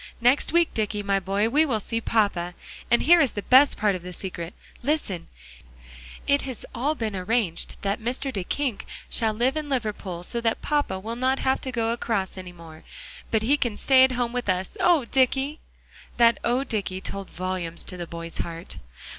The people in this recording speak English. Next week, Dicky, my boy, we will see papa. And here is the best part of the secret. Listen; it has all been arranged that Mr. Duyckink shall live in Liverpool, so that papa will not have to go across any more, but he can stay at home with us. Oh, Dicky!" That "Oh, Dicky!" told volumes to the boy's heart.